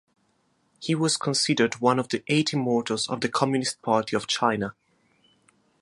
He was considered one of the Eight Immortals of the Communist Party of China.